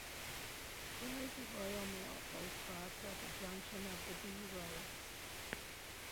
There is a Royal Mail post box at the junction of the B roads.